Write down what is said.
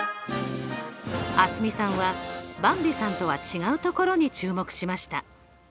蒼澄さんはばんびさんとは違うところに注目しました。